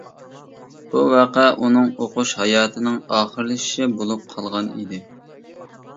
بۇ ۋەقە ئۇنىڭ ئوقۇش ھاياتىنىڭ ئاخىرلىشىشى بولۇپ قالغان ئىدى.